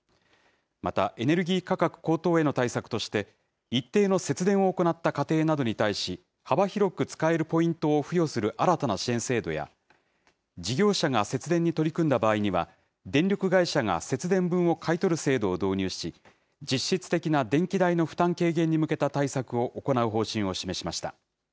また、エネルギー価格高騰への対策として、一定の節電を行った家庭などに対し、幅広く使えるポイントを付与する新たな支援制度や、事業者が節電に取り組んだ場合には、電力会社が節電分を買い取る制度を導入し、実質的な電気代の負担軽減に向けた対策を行う方針を示しました。